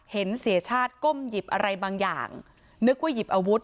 เห็นเสียชาติก้มหยิบอะไรบางอย่างนึกว่าหยิบอาวุธ